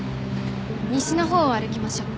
西のほうを歩きましょう。